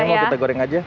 ini mau kita goreng aja